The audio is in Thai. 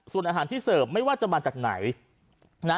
ส่วนอาหารที่เสิร์ฟไม่ว่าจะมาจากไหนนะ